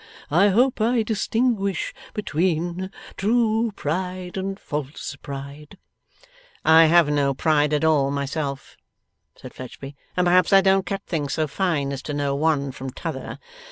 I hope I distinguish between true pride and false pride.' 'I have no pride at all, myself,' said Fledgeby, 'and perhaps I don't cut things so fine as to know one from t'other.